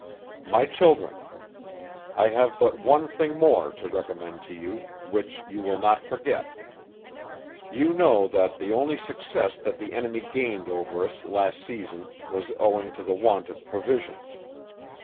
"My Children. I have but one thing more to recommend to you, which you will not forget you know that the only success that the enemy gained over us, last season, was owing to the want of provisions.